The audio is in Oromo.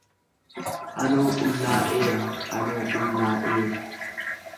Anoo qullaa'eeraa, anoo qullaa'ee.